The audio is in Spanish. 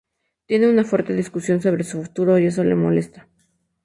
Tienen una fuerte discusión sobre su futuro y eso le molesta.